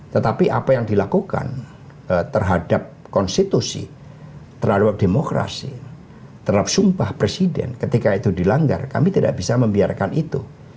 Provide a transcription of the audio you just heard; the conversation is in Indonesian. tetapi apa yang dilakukan terhadap konstitusi terhadap demokrasi terhadap sumpah presiden ketika itu dilanggar kami tidak bisa membiarkan itu